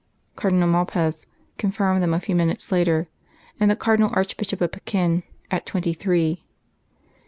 Cardinal Malpas confirmed them a few minutes later, and the Cardinal Archbishop of Pekin at twenty three.